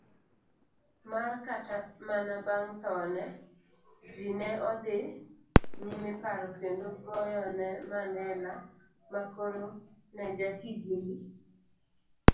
mar Kata manabang' thone, jine odhi nyimeparo kendo goyone Mandela, makoro nejahigini